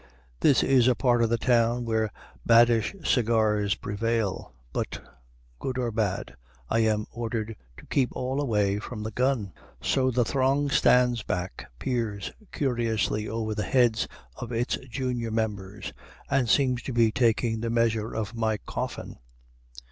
This is a part of the town, where baddish cigars prevail. But good or bad, I am ordered to keep all away from the gun. So the throng stands back, peers curiously over the heads of its junior members, and seems to be taking the measure of my coffin.